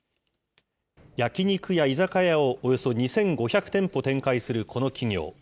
焼き肉や居酒屋をおよそ２５００店舗展開するこの企業。